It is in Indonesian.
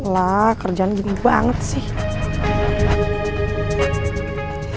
lah kerjaan gini banget sih